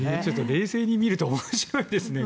冷静に見ると面白いですね。